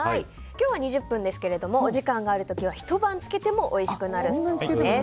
今日は２０分ですがお時間がある時はひと晩漬けてもおいしくなるそうです。